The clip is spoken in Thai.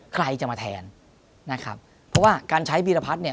ใครจะมาแทนนะครับเพราะว่าการใช้บีรพัฒน์เนี่ย